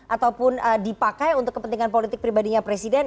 ataupun dipakai untuk kepentingan politik pribadinya presiden